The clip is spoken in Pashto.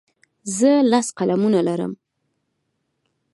زه لس قلمونه لرم.